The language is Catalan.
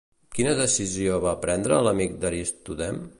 Quina decisió va prendre l'amic d'Aristodem?